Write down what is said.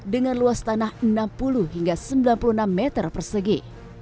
dengan luas tanah enam puluh hingga sembilan puluh enam meter persegi